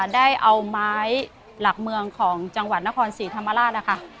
ได้เอาไม้หลักเมืองของจังหวัดนครศรีธรรมราชนะคะ